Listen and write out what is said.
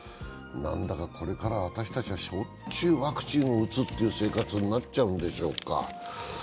何だかこれから私たちはしょっちゅうワクチンを打つという生活になっちゃうんでしょうか。